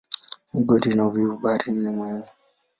Migodi na uvuvi baharini ni muhimu.